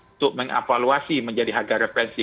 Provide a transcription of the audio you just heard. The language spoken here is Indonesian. untuk mengevaluasi menjadi harga referensi